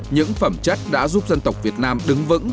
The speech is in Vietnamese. những phẩm chất đã giúp dân tộc việt nam đứng vững